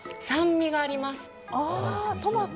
酸味があります。